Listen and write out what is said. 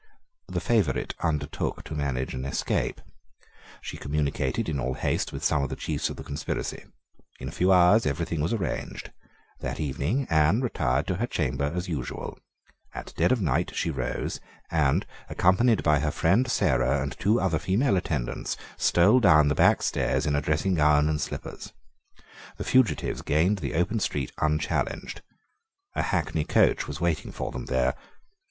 The favourite undertook to manage an escape. She communicated in all haste with some of the chiefs of the conspiracy. In a few hours every thing was arranged. That evening Anne retired to her chamber as usual. At dead of night she rose, and, accompanied by her friend Sarah and two other female attendants, stole down the back stairs in a dressing gown and slippers. The fugitives gained the open street unchallenged. A hackney coach was in waiting for them there.